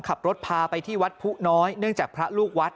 ขับรถพาไปที่วัดผู้น้อยเนื่องจากพระลูกวัด